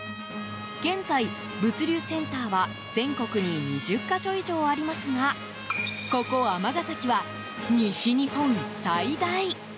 現在、物流センターは全国に２０か所以上ありますがここ尼崎は西日本最大。